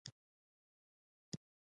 د پوروړي څخه پوره پیسې تر لاسه کوي.